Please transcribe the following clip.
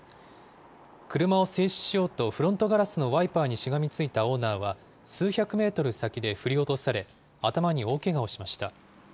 車を制止しようと、フロントガラスのワイパーにしがみついたオーナーは数百メートル先で振り落とされ、頭に大けがをしました。